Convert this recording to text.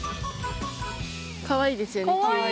かわいいですよね。